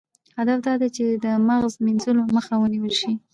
هدف دا دی چې د مغز مینځلو مخه ونیول شي.